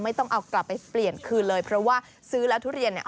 ต้องเอากลับไปเปลี่ยนคืนเลยเพราะว่าซื้อแล้วทุเรียนเนี่ย